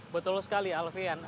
betul sekali alfian